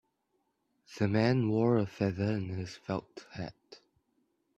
The man wore a feather in his felt hat.